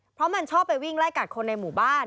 เพราะมันชอบไปวิ่งไล่กัดคนในหมู่บ้าน